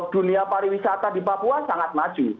dunia pariwisata di papua sangat maju